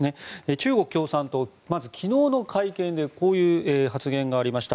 中国共産党、昨日の会見でこういう発言がありました。